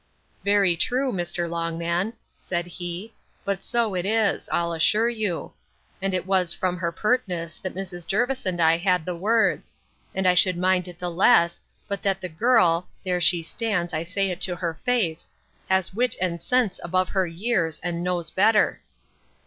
Very true, Mr. Longman, said he, but so it is, I'll assure you; and it was from her pertness, that Mrs. Jervis and I had the words: And I should mind it the less, but that the girl (there she stands, I say it to her face) has wit and sense above her years, and knows better.